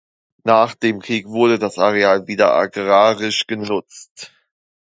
Nach dem Krieg wurde das Areal wieder agrarisch genutzt.